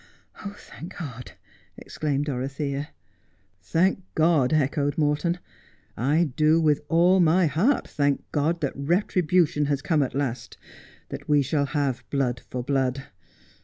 ' Thank God,' exclaimed Dorothea. ' Thank God,' echoed Morton. ' I do with all my heart thank God that retribution has come at last ; that we shall have blood for blood.